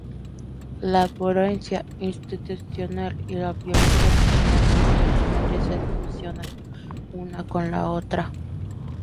La violencia institucional y la violencia personal frecuentemente se fusionan una con la otra.